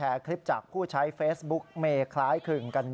เออไปฟังค่ะ